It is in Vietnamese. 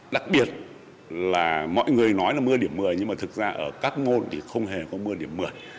đặc biệt là mọi người nói là mưa điểm một mươi nhưng mà thực ra ở các môn thì không hề có mưa điểm một mươi